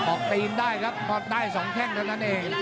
ออกตีนได้ครับได้สองแข่งเท่านั้นเอง